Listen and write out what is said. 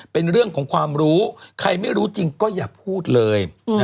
เป็นเรื่องของความรู้ใครไม่รู้จริงก็อย่าพูดเลย